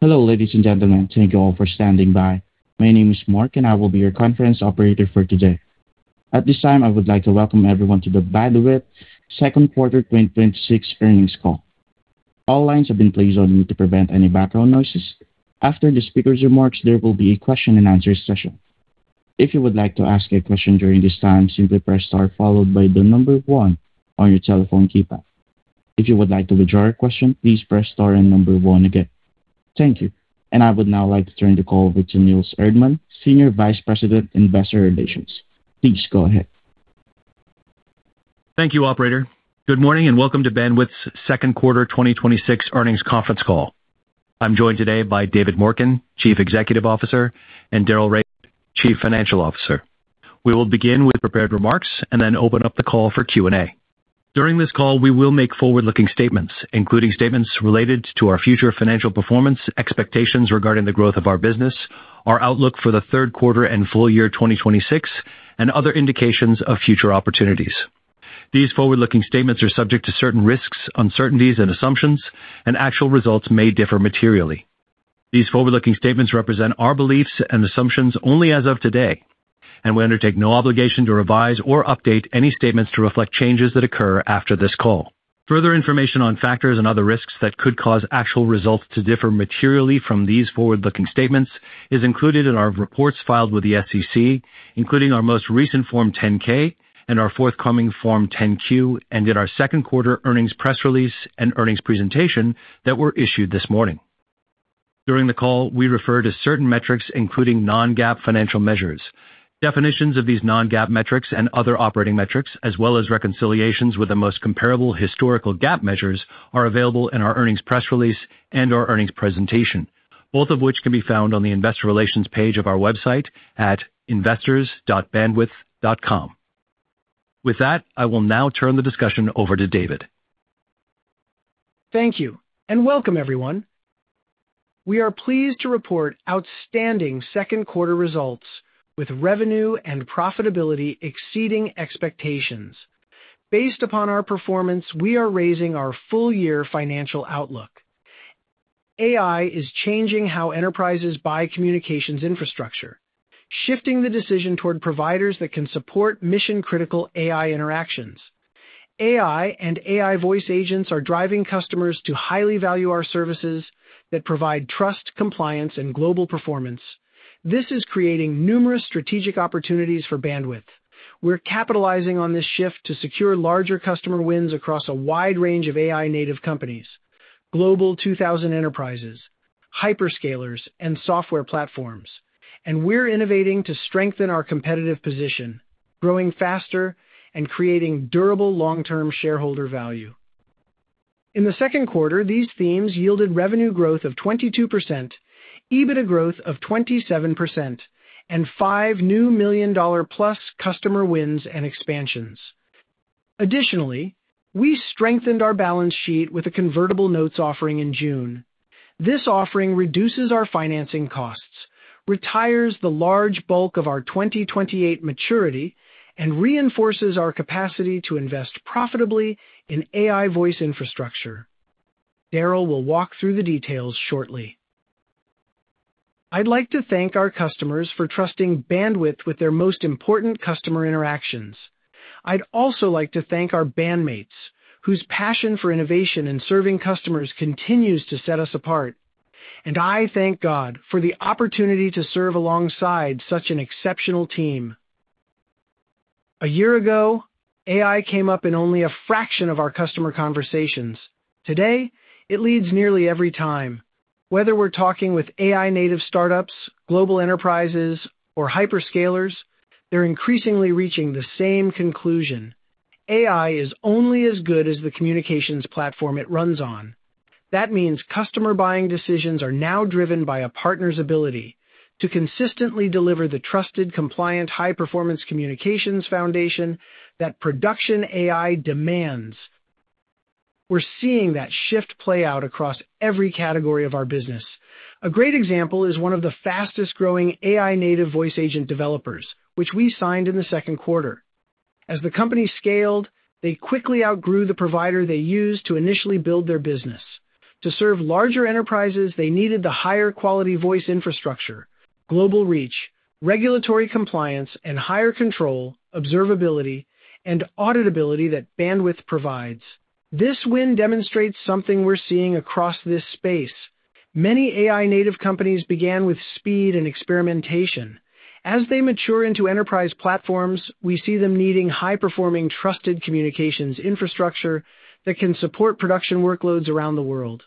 Hello, ladies and gentlemen. Thank you all for standing by. My name is Mark, I will be your conference operator for today. At this time, I would like to welcome everyone to the Bandwidth second quarter 2026 earnings call. All lines have been placed on mute to prevent any background noises. After the speaker's remarks, there will be a question-and-answer session. If you would like to ask a question during this time, simply press star followed by the number one on your telephone keypad. If you would like to withdraw your question, please press star and number one again. Thank you. I would now like to turn the call over to Nils Erdmann, Senior Vice President, Investor Relations. Please go ahead. Thank you, operator. Good morning and welcome to Bandwidth's second quarter 2026 earnings conference call. I'm joined today by David Morken, Chief Executive Officer, and Daryl Raiford, Chief Financial Officer. We will begin with prepared remarks then open up the call for Q&A. During this call, we will make forward-looking statements, including statements related to our future financial performance, expectations regarding the growth of our business, our outlook for the third quarter and full year 2026, other indications of future opportunities. These forward-looking statements are subject to certain risks, uncertainties, and assumptions, actual results may differ materially. These forward-looking statements represent our beliefs and assumptions only as of today, we undertake no obligation to revise or update any statements to reflect changes that occur after this call. Further information on factors other risks that could cause actual results to differ materially from these forward-looking statements is included in our reports filed with the SEC, including our most recent Form 10-K our forthcoming Form 10-Q, in our second quarter earnings press release and earnings presentation that were issued this morning. During the call, we refer to certain metrics, including non-GAAP financial measures. Definitions of these non-GAAP metrics other operating metrics, as well as reconciliations with the most comparable historical GAAP measures, are available in our earnings press release our earnings presentation, both of which can be found on the investor relations page of our website at investors.bandwidth.com. With that, I will now turn the discussion over to David. Thank you. Welcome everyone. We are pleased to report outstanding second quarter results, with revenue and profitability exceeding expectations. Based upon our performance, we are raising our full year financial outlook. AI is changing how enterprises buy communications infrastructure, shifting the decision toward providers that can support mission-critical AI interactions. AI and AI voice agents are driving customers to highly value our services that provide trust, compliance, and global performance. This is creating numerous strategic opportunities for Bandwidth. We're capitalizing on this shift to secure larger customer wins across a wide range of AI native companies, Global 2000 enterprises, hyperscalers, and software platforms. We're innovating to strengthen our competitive position, growing faster and creating durable long-term shareholder value. In the second quarter, these themes yielded revenue growth of 22%, EBITDA growth of 27%, and five new million-dollar-plus customer wins and expansions. Additionally, we strengthened our balance sheet with a convertible notes offering in June. This offering reduces our financing costs, retires the large bulk of our 2028 maturity, and reinforces our capacity to invest profitably in AI voice infrastructure. Daryl will walk through the details shortly. I'd like to thank our customers for trusting Bandwidth with their most important customer interactions. I'd also like to thank our bandmates, whose passion for innovation and serving customers continues to set us apart, and I thank God for the opportunity to serve alongside such an exceptional team. A year ago, AI came up in only a fraction of our customer conversations. Today, it leads nearly every time. Whether we're talking with AI native startups, global enterprises, or hyperscalers, they're increasingly reaching the same conclusion: AI is only as good as the communications platform it runs on. That means customer buying decisions are now driven by a partner's ability to consistently deliver the trusted, compliant, high-performance communications foundation that production AI demands. We're seeing that shift play out across every category of our business. A great example is one of the fastest growing AI native voice agent developers, which we signed in the second quarter. As the company scaled, they quickly outgrew the provider they used to initially build their business. To serve larger enterprises, they needed the higher quality voice infrastructure, global reach, regulatory compliance, and higher control, observability, and auditability that Bandwidth provides. This win demonstrates something we're seeing across this space. Many AI native companies began with speed and experimentation. As they mature into enterprise platforms, we see them needing high performing, trusted communications infrastructure that can support production workloads around the world.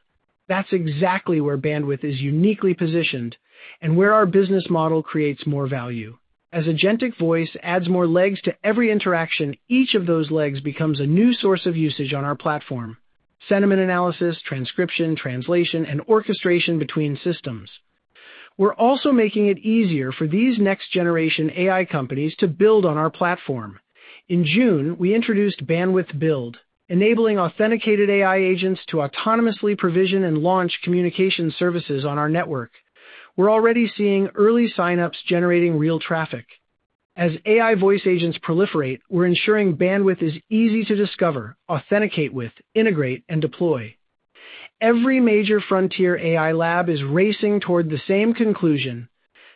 That's exactly where Bandwidth is uniquely positioned and where our business model creates more value. As agentic voice adds more legs to every interaction, each of those legs becomes a new source of usage on our platform: sentiment analysis, transcription, translation, and orchestration between systems. We're also making it easier for these next generation AI companies to build on our platform. In June, we introduced Bandwidth Build, enabling authenticated AI agents to autonomously provision and launch communication services on our network. We're already seeing early signups generating real traffic. As AI voice agents proliferate, we're ensuring Bandwidth is easy to discover, authenticate with, integrate, and deploy. Every major frontier AI lab is racing toward the same conclusion,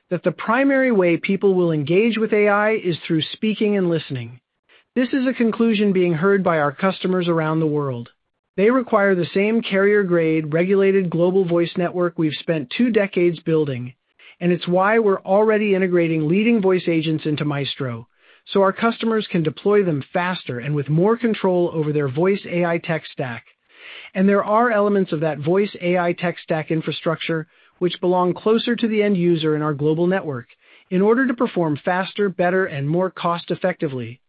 that the primary way people will engage with AI is through speaking and listening. This is a conclusion being heard by our customers around the world. They require the same carrier-grade, regulated global voice network we've spent two decades building, and it's why we're already integrating leading voice agents into Maestro so our customers can deploy them faster and with more control over their voice AI tech stack. There are elements of that voice AI tech stack infrastructure which belong closer to the end user in our global network in order to perform faster, better, and more cost effectively.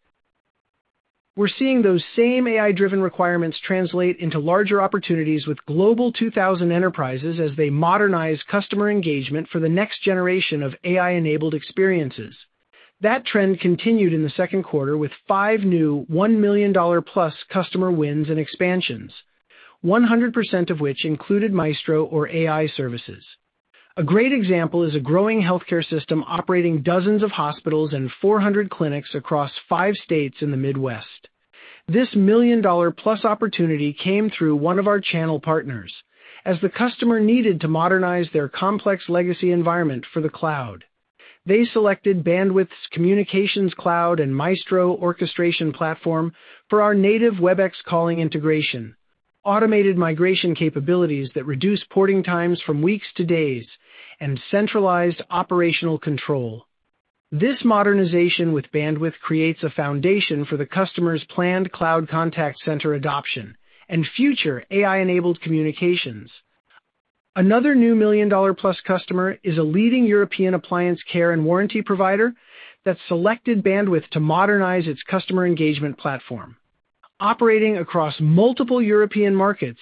We're seeing those same AI-driven requirements translate into larger opportunities with Global 2000 enterprises as they modernize customer engagement for the next generation of AI-enabled experiences. That trend continued in the second quarter with five new $1 million+ customer wins and expansions, 100% of which included Maestro or AI services. A great example is a growing healthcare system operating dozens of hospitals and 400 clinics across five states in the Midwest. This million-dollar-plus opportunity came through one of our channel partners. As the customer needed to modernize their complex legacy environment for the cloud, they selected Bandwidth's Communications Cloud and Maestro orchestration platform for our native Webex calling integration, automated migration capabilities that reduce porting times from weeks to days, and centralized operational control. This modernization with Bandwidth creates a foundation for the customer's planned cloud contact center adoption and future AI-enabled communications. Another new million-dollar-plus customer is a leading European appliance care and warranty provider that selected Bandwidth to modernize its customer engagement platform. Operating across multiple European markets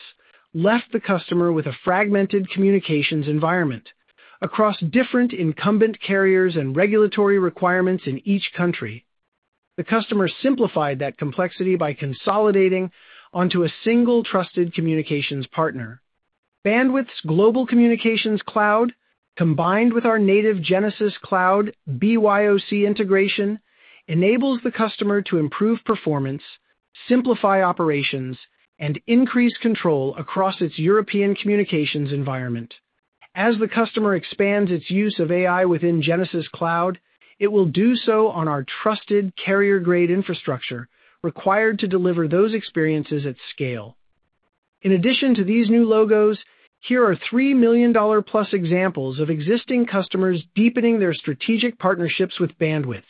left the customer with a fragmented communications environment across different incumbent carriers and regulatory requirements in each country. The customer simplified that complexity by consolidating onto a single trusted communications partner. Bandwidth's global Communications Cloud, combined with our native Genesys Cloud BYOC integration, enables the customer to improve performance, simplify operations, and increase control across its European communications environment. As the customer expands its use of AI within Genesys Cloud, it will do so on our trusted carrier-grade infrastructure required to deliver those experiences at scale. In addition to these new logos, here are $3 million+ examples of existing customers deepening their strategic partnerships with Bandwidth.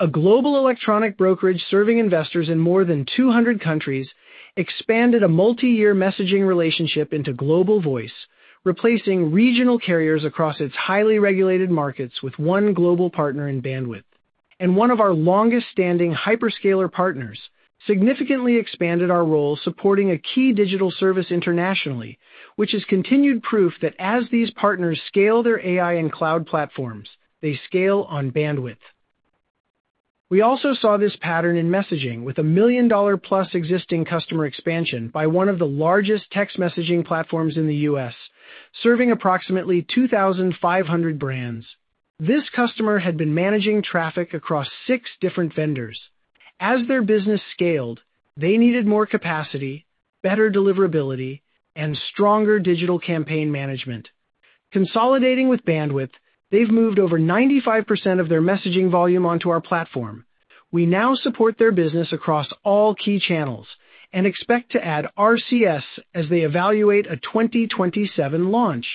A global electronic brokerage serving investors in more than 200 countries expanded a multiyear messaging relationship into global voice, replacing regional carriers across its highly regulated markets with one global partner in Bandwidth. One of our longest-standing hyperscaler partners significantly expanded our role supporting a key digital service internationally, which is continued proof that as these partners scale their AI and cloud platforms, they scale on Bandwidth. We also saw this pattern in messaging with a million-dollar-plus existing customer expansion by one of the largest text messaging platforms in the U.S., serving approximately 2,500 brands. This customer had been managing traffic across six different vendors. As their business scaled, they needed more capacity, better deliverability, and stronger digital campaign management. Consolidating with Bandwidth, they've moved over 95% of their messaging volume onto our platform. We now support their business across all key channels and expect to add RCS as they evaluate a 2027 launch.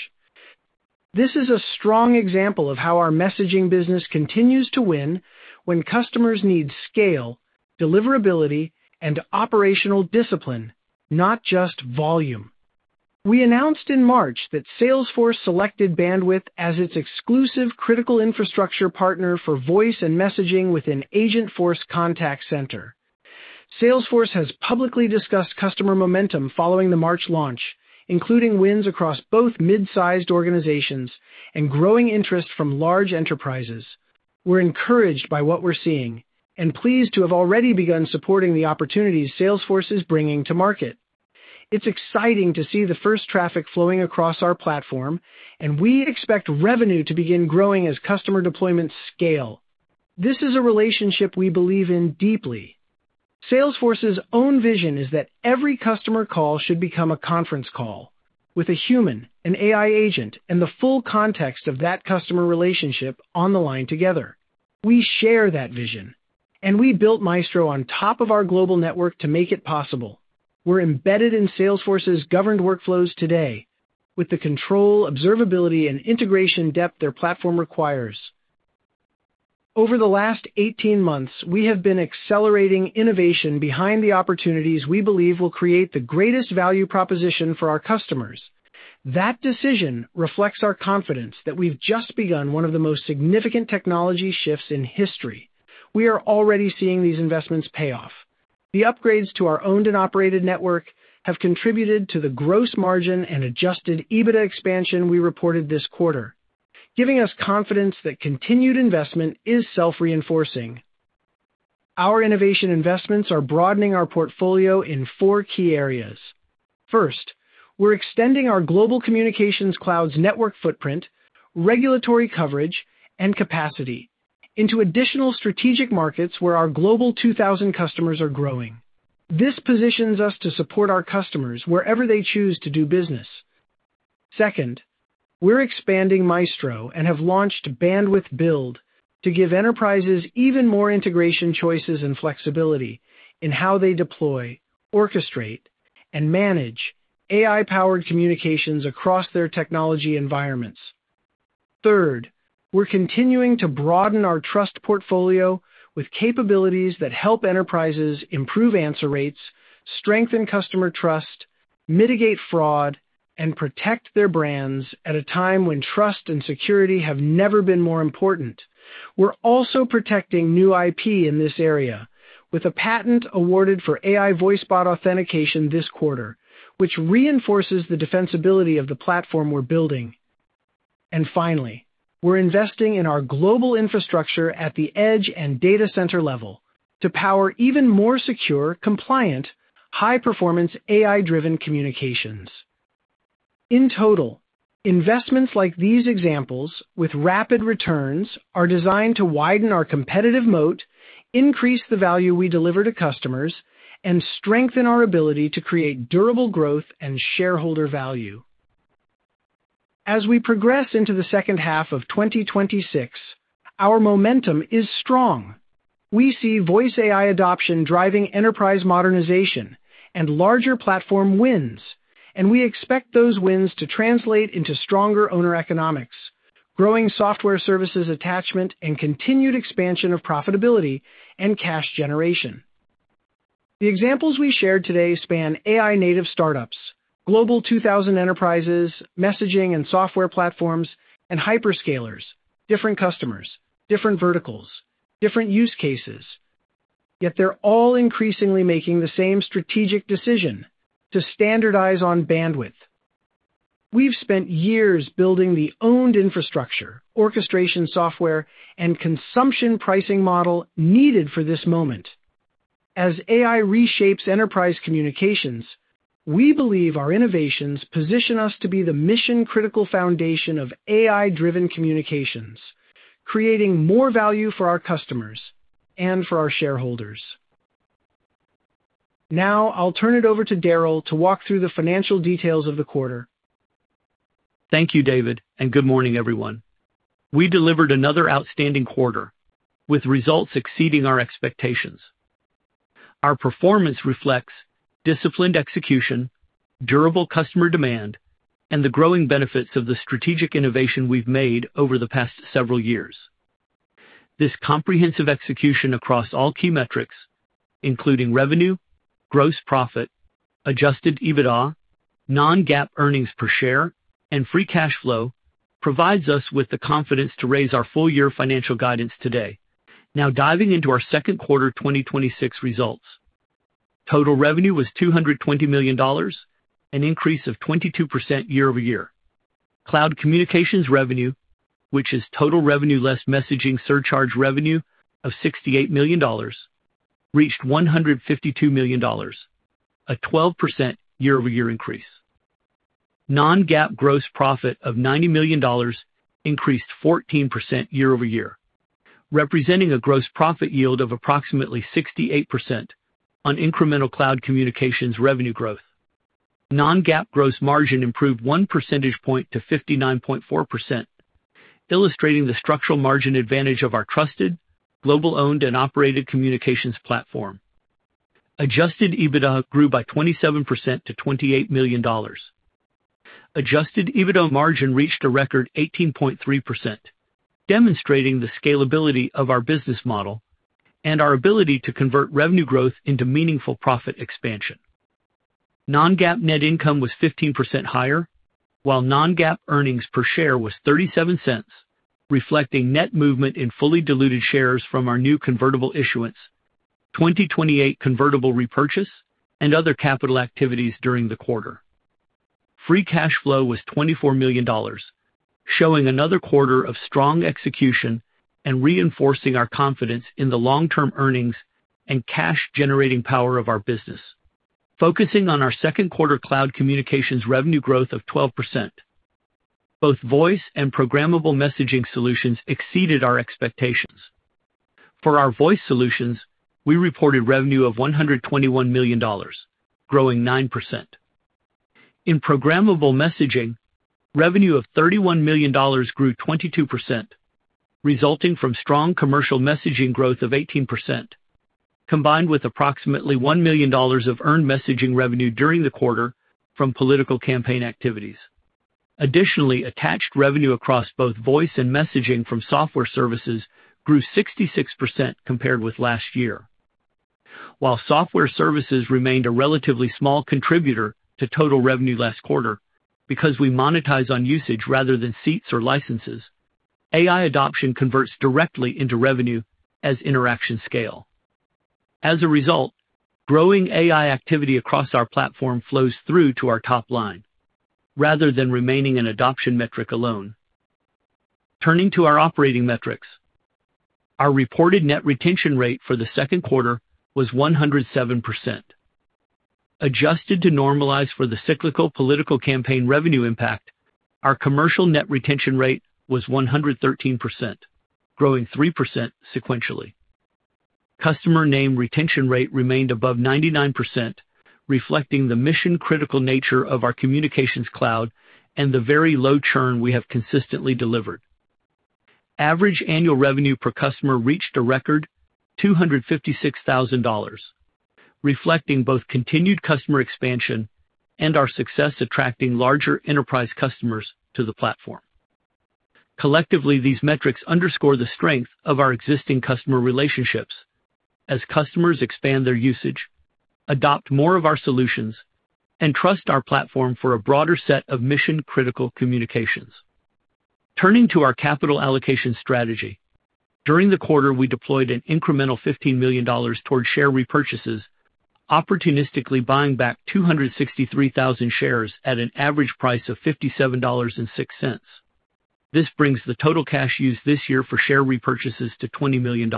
This is a strong example of how our messaging business continues to win when customers need scale, deliverability, and operational discipline, not just volume. We announced in March that Salesforce selected Bandwidth as its exclusive critical infrastructure partner for voice and messaging within Agentforce Contact Center. Salesforce has publicly discussed customer momentum following the March launch, including wins across both mid-sized organizations and growing interest from large enterprises. We're encouraged by what we're seeing and pleased to have already begun supporting the opportunities Salesforce is bringing to market. It's exciting to see the first traffic flowing across our platform, and we expect revenue to begin growing as customer deployments scale. This is a relationship we believe in deeply. Salesforce's own vision is that every customer call should become a conference call with a human, an AI agent, and the full context of that customer relationship on the line together. We share that vision. We built Maestro on top of our global network to make it possible. We're embedded in Salesforce's governed workflows today with the control, observability, and integration depth their platform requires. Over the last 18 months, we have been accelerating innovation behind the opportunities we believe will create the greatest value proposition for our customers. That decision reflects our confidence that we've just begun one of the most significant technology shifts in history. We are already seeing these investments pay off. The upgrades to our owned and operated network have contributed to the gross margin and adjusted EBITDA expansion we reported this quarter, giving us confidence that continued investment is self-reinforcing. Our innovation investments are broadening our portfolio in four key areas. First, we're extending our Communications Cloud's network footprint, regulatory coverage, and capacity into additional strategic markets where our Global 2000 customers are growing. This positions us to support our customers wherever they choose to do business. Second, we're expanding Maestro and have launched Bandwidth Build to give enterprises even more integration choices and flexibility in how they deploy, orchestrate, and manage AI-powered communications across their technology environments. Third, we're continuing to broaden our trust portfolio with capabilities that help enterprises improve answer rates, strengthen customer trust, mitigate fraud, and protect their brands at a time when trust and security have never been more important. We're also protecting new IP in this area with a patent awarded for AI voice bot authentication this quarter, which reinforces the defensibility of the platform we're building. Finally, we're investing in our global infrastructure at the edge and data center level to power even more secure, compliant, high-performance AI-driven communications. In total, investments like these examples, with rapid returns, are designed to widen our competitive moat, increase the value we deliver to customers, and strengthen our ability to create durable growth and shareholder value. As we progress into the second half of 2026, our momentum is strong. We see voice AI adoption driving enterprise modernization and larger platform wins, and we expect those wins to translate into stronger owner economics, growing software services attachment, and continued expansion of profitability and cash generation. The examples we shared today span AI native startups, Global 2000 enterprises, messaging and software platforms, and hyperscalers. Different customers, different verticals, different use cases, yet they're all increasingly making the same strategic decision to standardize on Bandwidth. We've spent years building the owned infrastructure, orchestration software, and consumption pricing model needed for this moment. As AI reshapes enterprise communications, we believe our innovations position us to be the mission-critical foundation of AI-driven communications, creating more value for our customers and for our shareholders. Now, I'll turn it over to Daryl to walk through the financial details of the quarter. Thank you, David, and good morning, everyone. We delivered another outstanding quarter with results exceeding our expectations. Our performance reflects disciplined execution, durable customer demand, and the growing benefits of the strategic innovation we've made over the past several years. This comprehensive execution across all key metrics, including revenue, gross profit, adjusted EBITDA, non-GAAP earnings per share, and free cash flow, provides us with the confidence to raise our full-year financial guidance today. Diving into our second quarter 2026 results. Total revenue was $220 million, an increase of 22% year-over-year. Cloud Communications revenue, which is total revenue less messaging surcharge revenue of $68 million, reached $152 million, a 12% year-over-year increase. Non-GAAP gross profit of $90 million increased 14% year-over-year, representing a gross profit yield of approximately 68% on incremental Cloud Communications revenue growth. Non-GAAP gross margin improved 1 percentage point to 59.4%, illustrating the structural margin advantage of our trusted, global owned, and operated Communications Cloud. Adjusted EBITDA grew by 27% to $28 million. Adjusted EBITDA margin reached a record 18.3%, demonstrating the scalability of our business model and our ability to convert revenue growth into meaningful profit expansion. Non-GAAP net income was 15% higher, while non-GAAP earnings per share was $0.37, reflecting net movement in fully diluted shares from our new convertible issuance, 2028 convertible repurchase, and other capital activities during the quarter. Free cash flow was $24 million, showing another quarter of strong execution and reinforcing our confidence in the long-term earnings and cash generating power of our business. Focusing on our second quarter Cloud Communications revenue growth of 12%, both voice and Programmable Messaging solutions exceeded our expectations. For our voice solutions, we reported revenue of $121 million, growing 9%. In Programmable Messaging, revenue of $31 million grew 22%, resulting from strong commercial messaging growth of 18%, combined with approximately $1 million of earned messaging revenue during the quarter from political campaign activities. Additionally, attached revenue across both voice and messaging from software services grew 66% compared with last year. While software services remained a relatively small contributor to total revenue last quarter, because we monetize on usage rather than seats or licenses, AI adoption converts directly into revenue as interactions scale. As a result, growing AI activity across our platform flows through to our top line rather than remaining an adoption metric alone. Our operating metrics, our reported net retention rate for the second quarter was 107%. Adjusted to normalize for the cyclical political campaign revenue impact, our commercial net retention rate was 113%, growing 3% sequentially. Customer name retention rate remained above 99%, reflecting the mission-critical nature of our Communications Cloud and the very low churn we have consistently delivered. Average annual revenue per customer reached a record $256,000, reflecting both continued customer expansion and our success attracting larger enterprise customers to the platform. Collectively, these metrics underscore the strength of our existing customer relationships as customers expand their usage, adopt more of our solutions, and trust our platform for a broader set of mission-critical communications. Our capital allocation strategy, during the quarter, we deployed an incremental $15 million toward share repurchases, opportunistically buying back 263,000 shares at an average price of $57.06. This brings the total cash used this year for share repurchases to $20 million.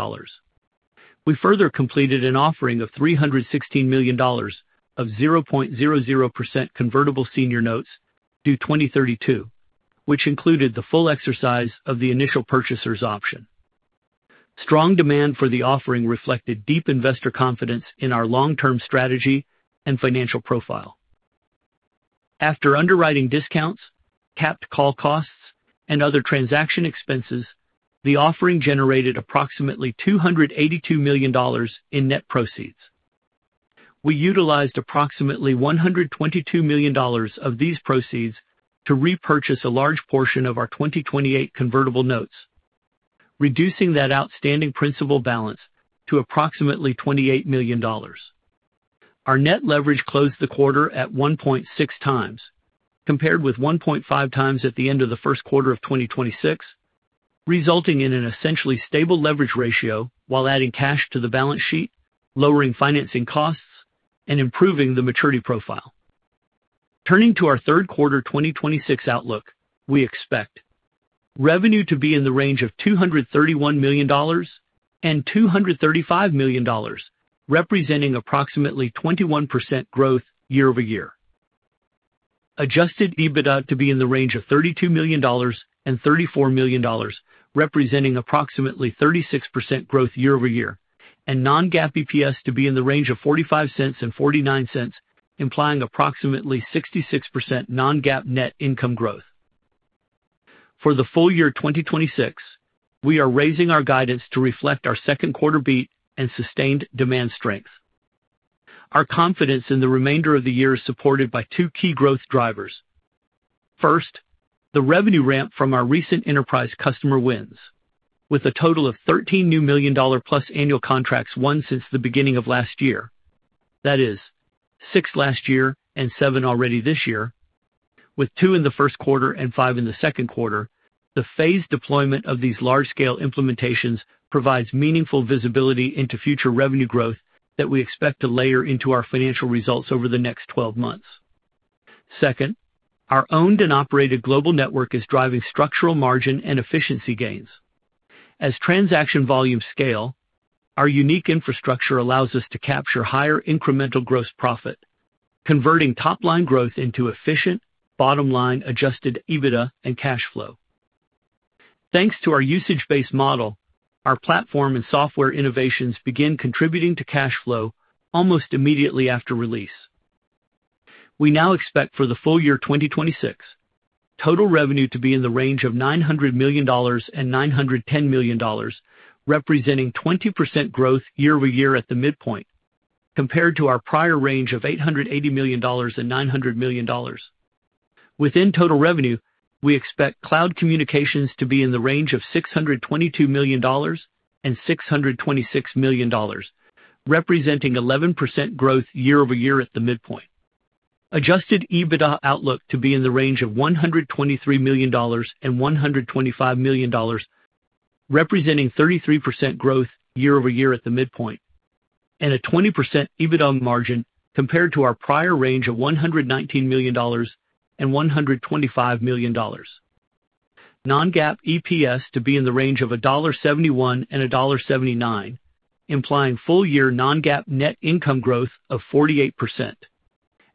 We further completed an offering of $316 million of 0.00% convertible senior notes due 2032, which included the full exercise of the initial purchaser's option. Strong demand for the offering reflected deep investor confidence in our long-term strategy and financial profile. After underwriting discounts, capped call costs, and other transaction expenses, the offering generated approximately $282 million in net proceeds. We utilized approximately $122 million of these proceeds to repurchase a large portion of our 2028 convertible notes, reducing that outstanding principal balance to approximately $28 million. Our net leverage closed the quarter at 1.6x, compared with 1.5x at the end of the first quarter of 2026, resulting in an essentially stable leverage ratio while adding cash to the balance sheet, lowering financing costs, and improving the maturity profile. Turning to our third quarter 2026 outlook, we expect revenue to be in the range of $231 million and $235 million, representing approximately 21% growth year-over-year. Adjusted EBITDA to be in the range of $32 million and $34 million, representing approximately 36% growth year-over-year, and non-GAAP EPS to be in the range of $0.45 and $0.49, implying approximately 66% non-GAAP net income growth. For the full year 2026, we are raising our guidance to reflect our second quarter beat and sustained demand strength. Our confidence in the remainder of the year is supported by two key growth drivers. First, the revenue ramp from our recent enterprise customer wins. With a total of 13 new million-dollar-plus annual contracts won since the beginning of last year, that is, six last year and seven already this year, with two in the first quarter and five in the second quarter, the phased deployment of these large-scale implementations provides meaningful visibility into future revenue growth that we expect to layer into our financial results over the next 12 months. Second, our owned and operated global network is driving structural margin and efficiency gains. As transaction volumes scale, our unique infrastructure allows us to capture higher incremental gross profit, converting top-line growth into efficient bottom-line Adjusted EBITDA and cash flow. Thanks to our usage-based model, our platform and software innovations begin contributing to cash flow almost immediately after release. We now expect for the full year 2026, total revenue to be in the range of $900 million and $910 million, representing 20% growth year-over-year at the midpoint, compared to our prior range of $880 million and $900 million. Within total revenue, we expect Cloud Communications to be in the range of $622 million and $626 million, representing 11% growth year-over-year at the midpoint. Adjusted EBITDA outlook to be in the range of $123 million and $125 million, representing 33% growth year-over-year at the midpoint, and a 20% EBITDA margin compared to our prior range of $119 million and $125 million. Non-GAAP EPS to be in the range of $1.71 and $1.79, implying full-year non-GAAP net income growth of 48%,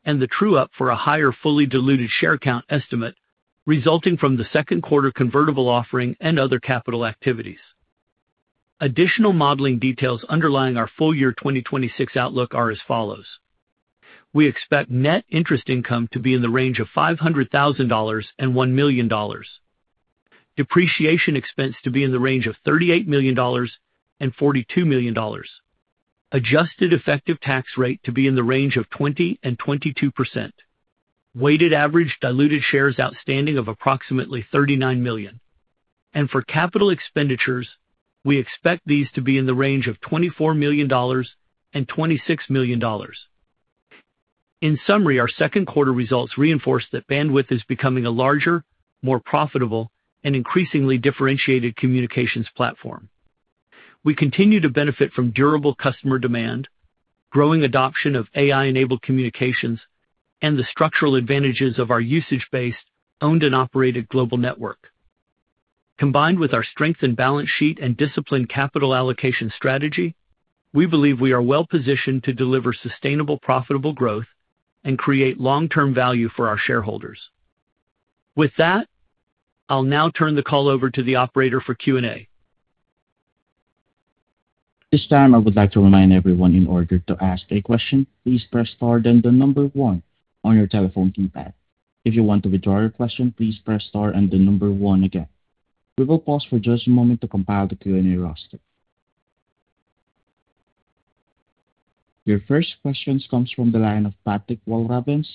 and the true up for a higher fully diluted share count estimate resulting from the second quarter convertible offering and other capital activities. Additional modeling details underlying our full year 2026 outlook are as follows. We expect net interest income to be in the range of $500,000 and $1 million. Depreciation expense to be in the range of $38 million and $42 million. Adjusted effective tax rate to be in the range of 20% and 22%. Weighted average diluted shares outstanding of approximately 39 million. For capital expenditures, we expect these to be in the range of $24 million and $26 million. In summary, our second quarter results reinforce that Bandwidth is becoming a larger, more profitable, and increasingly differentiated communications platform. We continue to benefit from durable customer demand, growing adoption of AI-enabled communications, and the structural advantages of our usage-based, owned, and operated global network. Combined with our strength and balance sheet and disciplined capital allocation strategy, we believe we are well-positioned to deliver sustainable, profitable growth and create long-term value for our shareholders. With that, I'll now turn the call over to the operator for Q&A. This time, I would like to remind everyone in order to ask a question, please press star then the number one on your telephone keypad. If you want to withdraw your question, please press star and the number one again. We will pause for just a moment to compile the Q&A roster. Your first question comes from the line of Patrick Walravens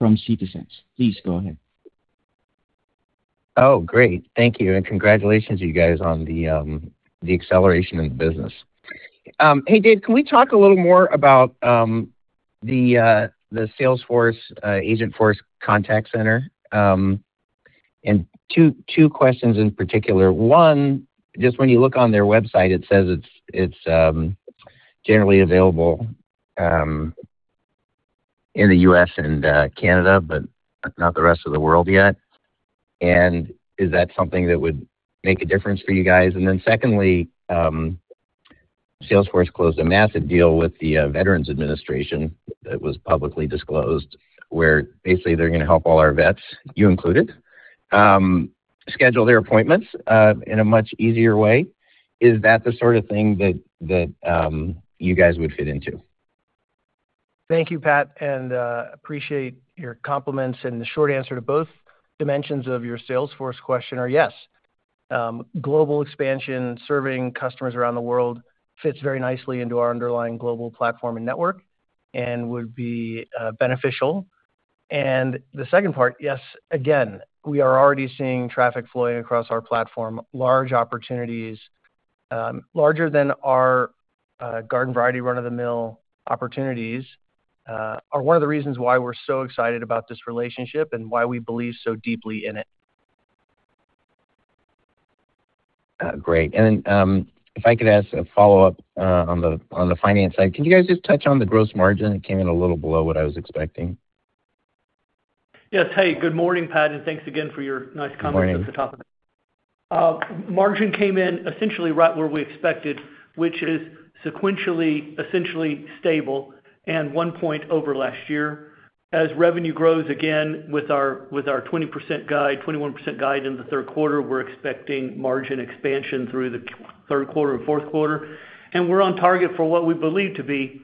from Citizens. Please go ahead. Great. Thank you, and congratulations you guys on the acceleration in the business. Hey, Dave, can we talk a little more about the Salesforce Agentforce Contact Center? Two questions in particular. One, just when you look on their website, it says it's generally available in the U.S. and Canada, but not the rest of the world yet. Is that something that would make a difference for you guys? Secondly, Salesforce closed a massive deal with the Veterans Administration that was publicly disclosed, where basically they're going to help all our vets, you included, schedule their appointments in a much easier way. Is that the sort of thing that you guys would fit into? Thank you, Pat, appreciate your compliments. The short answer to both dimensions of your Salesforce question are, yes. Global expansion, serving customers around the world fits very nicely into our underlying global platform and network and would be beneficial. The second part, yes, again, we are already seeing traffic flowing across our platform. Large opportunities, larger than our garden-variety run-of-the-mill opportunities, are one of the reasons why we're so excited about this relationship and why we believe so deeply in it. Great. Then, if I could ask a follow-up on the finance side. Can you guys just touch on the gross margin? It came in a little below what I was expecting. Yes. Hey, good morning, Pat, thanks again for your nice comments at the top. Good morning. Margin came in essentially right where we expected, which is sequentially, essentially stable and one point over last year. As revenue grows again with our 20% guide, 21% guide in the third quarter, we're expecting margin expansion through the third quarter and fourth quarter. We're on target for what we believe to be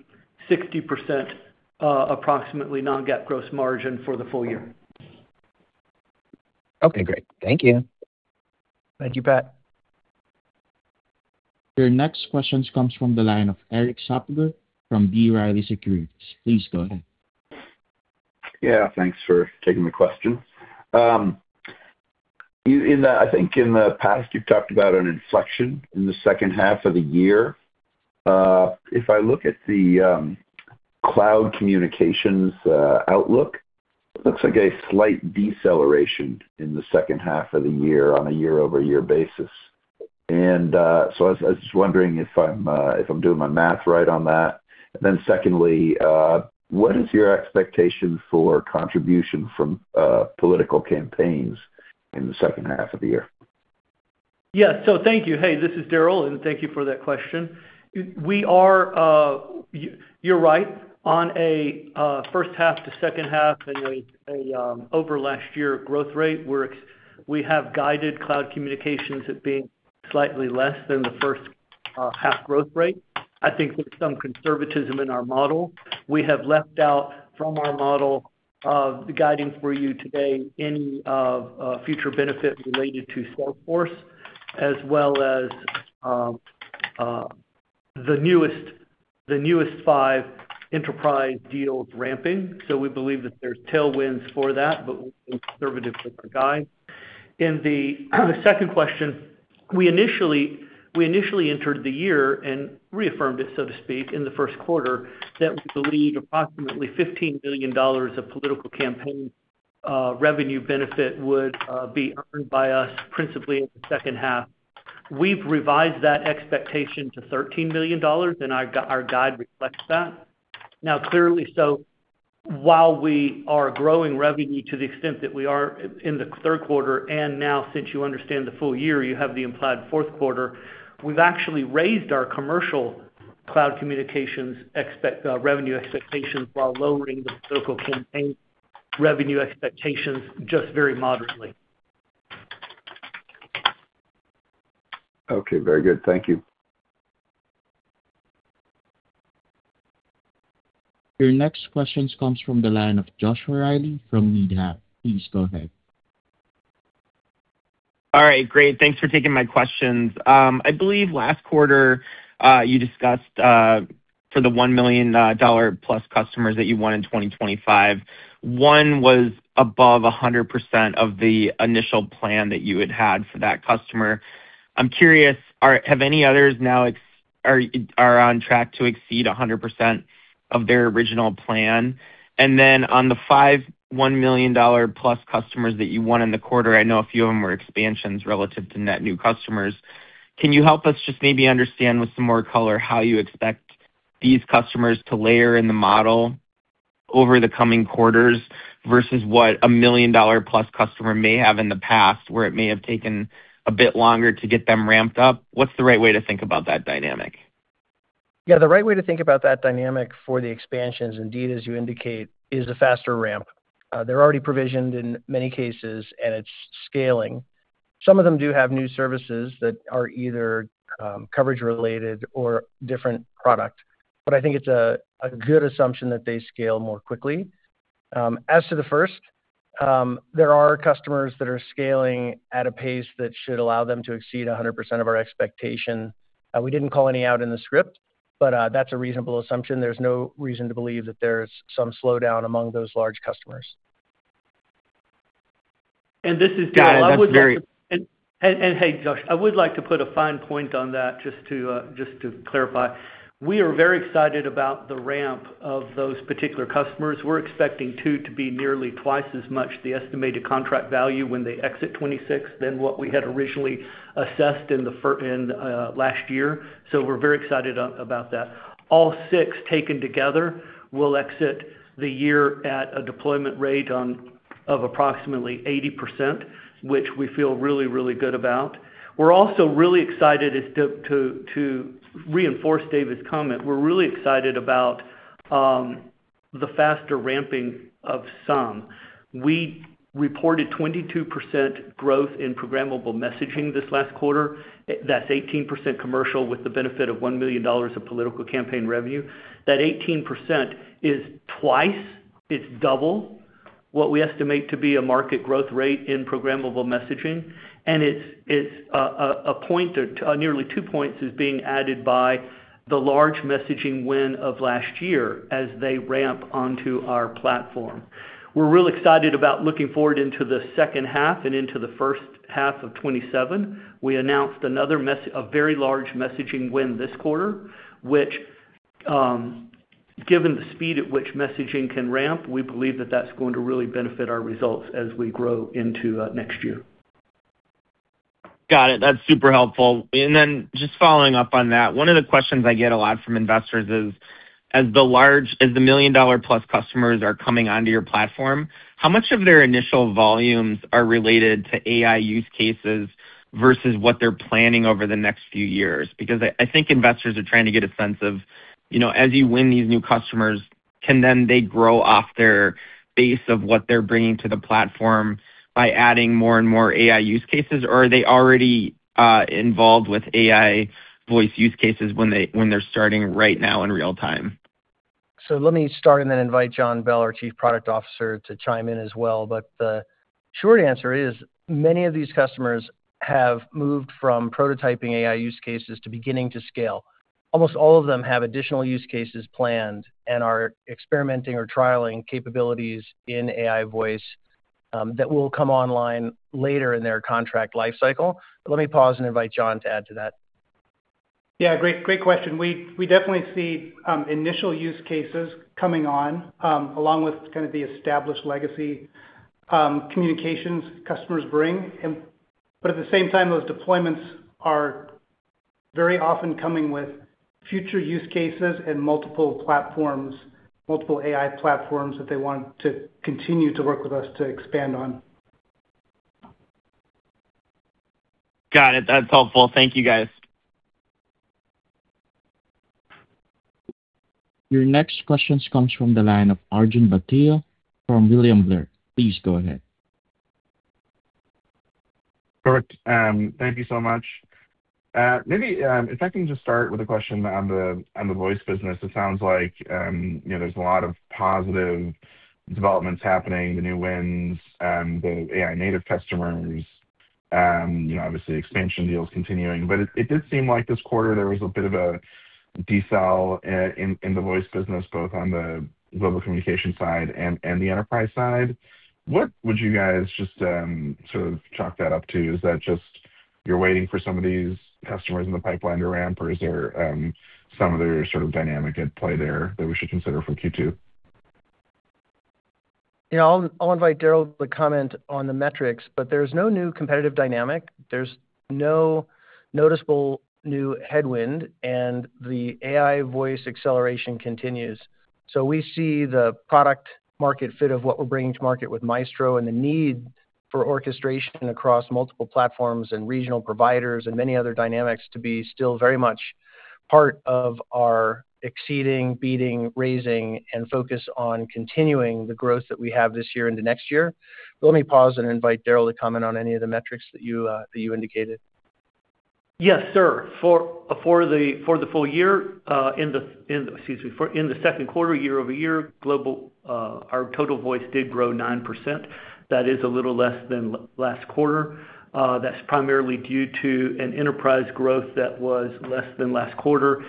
60% approximately non-GAAP gross margin for the full year. Okay, great. Thank you. Thank you, Pat. Your next question comes from the line of Erik Suppiger from B. Riley Securities. Please go ahead. Thanks for taking the question. I think in the past you've talked about an inflection in the second half of the year. If I look at the Cloud Communications outlook, it looks like a slight deceleration in the second half of the year on a year-over-year basis. I was just wondering if I'm doing my math right on that. Secondly, what is your expectation for contribution from political campaigns in the second half of the year? Thank you. Hey, this is Daryl, and thank you for that question. You're right. On a first half to second half anyway, over last year growth rate, we have guided Cloud Communications at being slightly less than the first half growth rate. I think there's some conservatism in our model. We have left out from our model of the guiding for you today any future benefit related to Salesforce, as well as the newest five Enterprise deals ramping. We believe that there's tailwinds for that, but we're conservative with our guide. In the second question, we initially entered the year and reaffirmed it, so to speak, in the first quarter, that we believe approximately $15 million of political campaign revenue benefit would be earned by us principally in the second half. We've revised that expectation to $13 million, and our guide reflects that. Clearly, while we are growing revenue to the extent that we are in the third quarter, since you understand the full year, you have the implied fourth quarter, we've actually raised our commercial Cloud Communications revenue expectations while lowering the political campaign revenue expectations just very moderately. Okay. Very good. Thank you. Your next question comes from the line of Joshua Reilly from Needham. Please go ahead. All right, great. Thanks for taking my questions. I believe last quarter, you discussed for the $1 million+ customers that you won in 2025, one was above 100% of the initial plan that you had had for that customer. I'm curious, have any others now are on track to exceed 100% of their original plan? On the five $1 million+ customers that you won in the quarter, I know a few of them were expansions relative to net new customers. Can you help us just maybe understand with some more color how you expect these customers to layer in the model over the coming quarters versus what a $1 million+ customer may have in the past where it may have taken a bit longer to get them ramped up. What's the right way to think about that dynamic? Yeah, the right way to think about that dynamic for the expansions, indeed, as you indicate, is a faster ramp. They're already provisioned in many cases, and it's scaling. Some of them do have new services that are either coverage related or different product. I think it's a good assumption that they scale more quickly. As to the first, there are customers that are scaling at a pace that should allow them to exceed 100% of our expectation. We didn't call any out in the script, but that's a reasonable assumption. There's no reason to believe that there's some slowdown among those large customers. This is Daryl. Got it. Hey, Josh, I would like to put a fine point on that just to clarify. We are very excited about the ramp of those particular customers. We're expecting two to be nearly twice as much the estimated contract value when they exit 2026 than what we had originally assessed in last year. We're very excited about that. All six taken together will exit the year at a deployment rate of approximately 80%, which we feel really, really good about. We're also really excited, to reinforce David's comment, we're really excited about the faster ramping of some. We reported 22% growth in Programmable Messaging this last quarter. That's 18% commercial with the benefit of $1 million of political campaign revenue. That 18% is twice, it's double what we estimate to be a market growth rate in Programmable Messaging. It's a point, nearly two points is being added by the large messaging win of last year as they ramp onto our platform. We're real excited about looking forward into the second half and into the first half of 2027. We announced a very large messaging win this quarter, which, given the speed at which messaging can ramp, we believe that that's going to really benefit our results as we grow into next year. Got it. That's super helpful. Then just following up on that, one of the questions I get a lot from investors is, as the $1 million+ customers are coming onto your platform, how much of their initial volumes are related to AI use cases versus what they're planning over the next few years? I think investors are trying to get a sense of, as you win these new customers, can then they grow off their base of what they're bringing to the platform by adding more and more AI use cases? Or are they already involved with AI voice use cases when they're starting right now in real time? Let me start and then invite John Bell, our Chief Product Officer, to chime in as well. The short answer is many of these customers have moved from prototyping AI use cases to beginning to scale. Almost all of them have additional use cases planned and are experimenting or trialing capabilities in AI voice that will come online later in their contract life cycle. Let me pause and invite John to add to that. Yeah. Great question. We definitely see initial use cases coming on, along with kind of the established legacy communications customers bring. At the same time, those deployments are very often coming with future use cases and multiple platforms, multiple AI platforms that they want to continue to work with us to expand on. Got it. That's helpful. Thank you, guys. Your next questions comes from the line of Arjun Bhatia from William Blair. Please go ahead. Perfect. Thank you so much. Maybe if I can just start with a question on the voice business. It sounds like there's a lot of positive developments happening, the new wins, the AI native customers, obviously expansion deals continuing. It did seem like this quarter there was a bit of a decel in the voice business, both on the global communication side and the enterprise side. What would you guys just sort of chalk that up to? Is that just you're waiting for some of these customers in the pipeline to ramp, or is there some other sort of dynamic at play there that we should consider for Q2? I'll invite Daryl to comment on the metrics, there's no new competitive dynamic. There's no noticeable new headwind, the AI voice acceleration continues. We see the product market fit of what we're bringing to market with Maestro and the need for orchestration across multiple platforms and regional providers and many other dynamics to be still very much part of our exceeding, beating, raising, and focus on continuing the growth that we have this year into next year. Let me pause and invite Daryl to comment on any of the metrics that you indicated. Yes, sir. For the full year, in the second quarter, year-over-year, our total voice did grow 9%. That is a little less than last quarter. That's primarily due to an enterprise growth that was less than last quarter.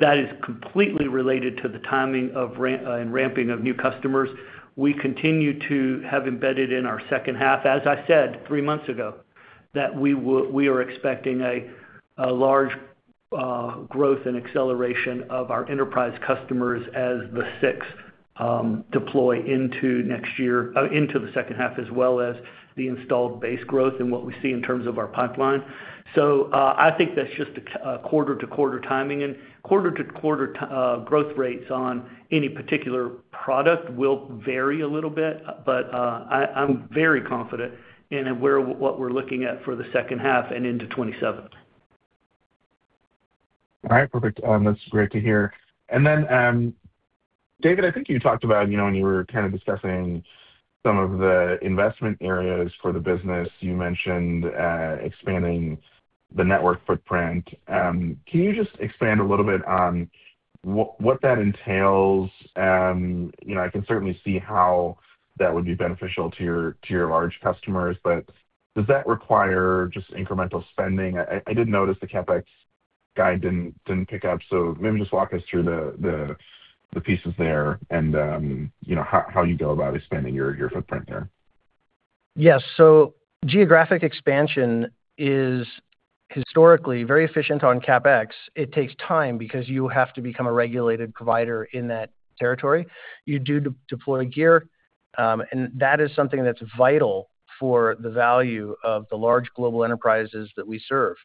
That is completely related to the timing and ramping of new customers. We continue to have embedded in our second half, as I said three months ago that we are expecting a large growth and acceleration of our enterprise customers as the six deploy into the second half, as well as the installed base growth and what we see in terms of our pipeline. I think that's just a quarter-to-quarter timing. Quarter-to-quarter growth rates on any particular product will vary a little bit, I'm very confident in what we're looking at for the second half and into 2027. All right, perfect. That's great to hear. David, I think you talked about, when you were kind of discussing some of the investment areas for the business, you mentioned expanding the network footprint. Can you just expand a little bit on what that entails? I can certainly see how that would be beneficial to your large customers, does that require just incremental spending? I did notice the CapEx guide didn't pick up, maybe just walk us through the pieces there and how you go about expanding your footprint there. Yes. Geographic expansion is historically very efficient on CapEx. It takes time because you have to become a regulated provider in that territory. You do deploy gear. That is something that's vital for the value of the large global enterprises that we serve.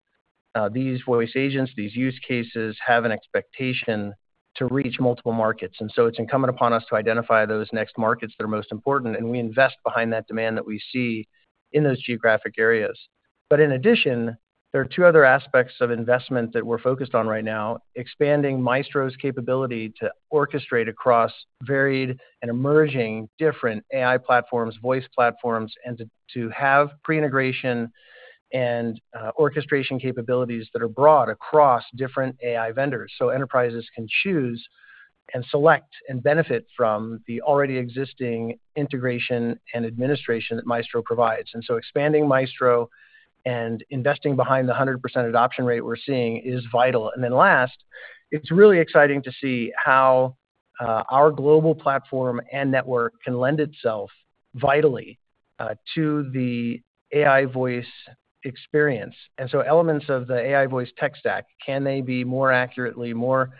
These voice agents, these use cases have an expectation to reach multiple markets. It's incumbent upon us to identify those next markets that are most important, and we invest behind that demand that we see in those geographic areas. In addition, there are two other aspects of investment that we're focused on right now, expanding Maestro's capability to orchestrate across varied and emerging different AI platforms, voice platforms, and to have pre-integration and orchestration capabilities that are broad across different AI vendors, so enterprises can choose and select and benefit from the already existing integration and administration that Maestro provides. Expanding Maestro and investing behind the 100% adoption rate we're seeing is vital. Last, it's really exciting to see how our global platform and network can lend itself vitally, to the AI voice experience. Elements of the AI voice tech stack, can they be more accurately more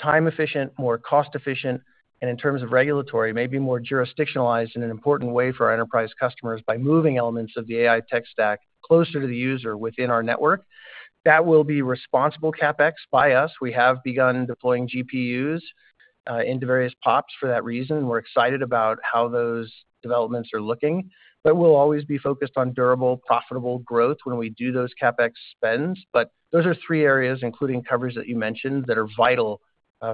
time efficient, more cost efficient, and in terms of regulatory, maybe more jurisdictionalized in an important way for our enterprise customers by moving elements of the AI tech stack closer to the user within our network? That will be responsible CapEx by us. We have begun deploying GPUs into various POPs for that reason. We're excited about how those developments are looking. We'll always be focused on durable, profitable growth when we do those CapEx spends. Those are three areas, including coverage that you mentioned, that are vital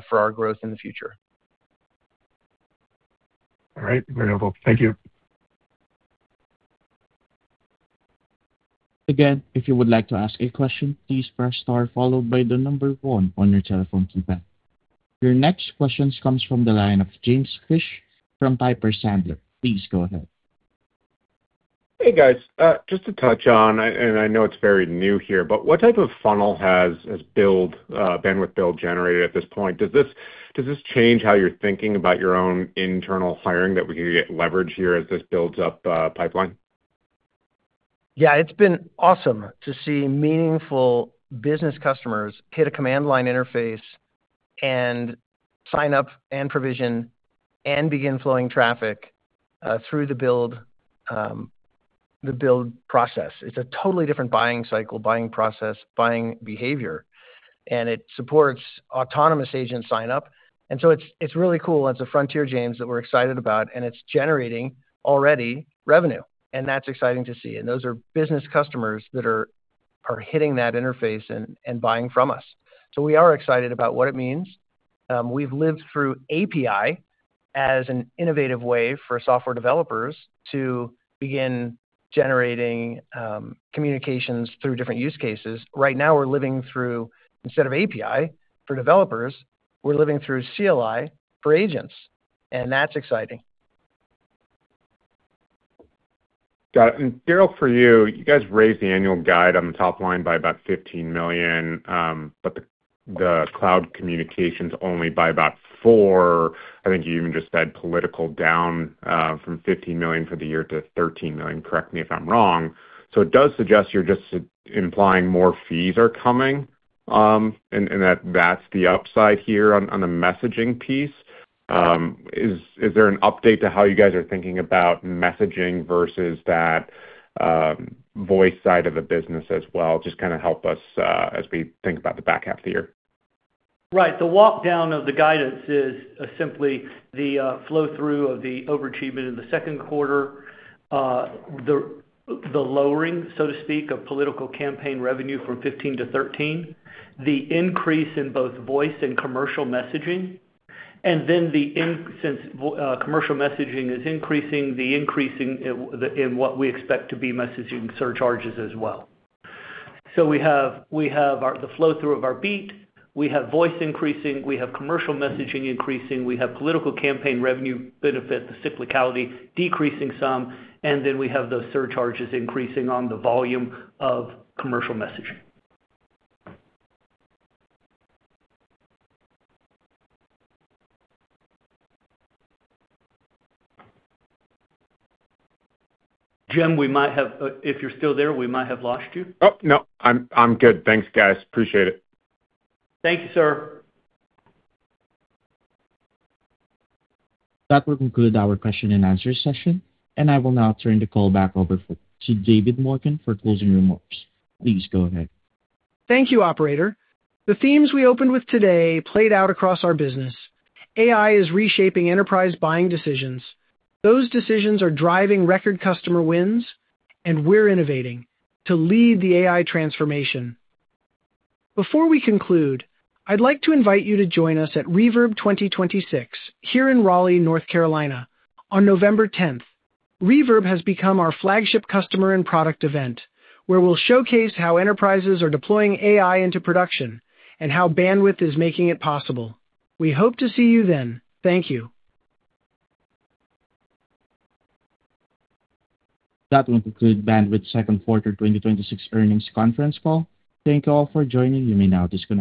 for our growth in the future. All right. Very helpful. Thank you. Again, if you would like to ask a question, please press star followed by the number one on your telephone keypad. Your next questions comes from the line of James Fish from Piper Sandler. Please go ahead. Hey, guys. Just to touch on, and I know it's very new here, but what type of funnel has Bandwidth Build generated at this point? Does this change how you're thinking about your own internal hiring that we can get leverage here as this builds up pipeline? Yeah. It's been awesome to see meaningful business customers hit a command line interface and sign up and provision and begin flowing traffic through the Build process. It's a totally different buying cycle, buying process, buying behavior, and it supports autonomous agent sign up. It's really cool. It's a frontier, James, that we're excited about, and it's generating already revenue, and that's exciting to see. Those are business customers that are hitting that interface and buying from us. We are excited about what it means. We've lived through API as an innovative way for software developers to begin generating communications through different use cases. Right now we're living through, instead of API for developers, we're living through CLI for agents, and that's exciting. Got it. Daryl, for you guys raised the annual guide on the top line by about $15 million, but the Cloud Communications only by about $4 million. I think you even just said political down from $15 million for the year to $13 million, correct me if I'm wrong. It does suggest you're just implying more fees are coming, and that that's the upside here on the messaging piece. Is there an update to how you guys are thinking about messaging versus that voice side of the business as well? Just help us as we think about the back half of the year. Right. The walk down of the guidance is simply the flow-through of the overachievement in the second quarter. The lowering, so to speak, of political campaign revenue from $15 to $13, the increase in both voice and commercial messaging, and then since commercial messaging is increasing, the increasing in what we expect to be messaging surcharges as well. We have the flow-through of our beat. We have voice increasing, we have commercial messaging increasing, we have political campaign revenue benefit, the cyclicality decreasing some, and then we have those surcharges increasing on the volume of commercial messaging. Jim, if you're still there, we might have lost you. Oh, no, I'm good. Thanks, guys. Appreciate it. Thank you, sir. That will conclude our question-and-answer session, and I will now turn the call back over to David Morken for closing remarks. Please go ahead. Thank you, operator. The themes we opened with today played out across our business. AI is reshaping enterprise buying decisions. Those decisions are driving record customer wins, and we're innovating to lead the AI transformation. Before we conclude, I'd like to invite you to join us at Reverb 2026 here in Raleigh, North Carolina, on November 10th. Reverb has become our flagship customer and product event, where we'll showcase how enterprises are deploying AI into production and how Bandwidth is making it possible. We hope to see you then. Thank you. That will conclude Bandwidth second quarter 2026 earnings conference call. Thank you all for joining. You may now disconnect.